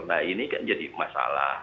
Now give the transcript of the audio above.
nah ini kan jadi masalah